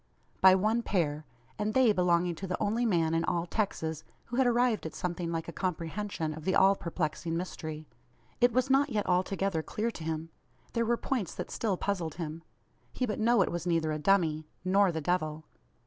By one pair; and they belonging to the only man in all Texas who had arrived at something like a comprehension of the all perplexing mystery. It was not yet altogether clear to him. There were points that still puzzled him. He but know it was neither a dummy, nor the Devil.